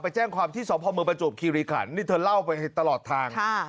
แจ้งความที่สพเมืองประจวบคิริขันนี่เธอเล่าไปตลอดทาง